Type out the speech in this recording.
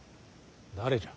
誰じゃ。